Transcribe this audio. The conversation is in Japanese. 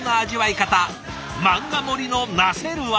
マンガ盛りのなせる業。